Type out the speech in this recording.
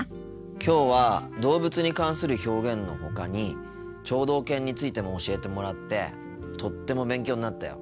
きょうは動物に関する表現のほかに聴導犬についても教えてもらってとっても勉強になったよ。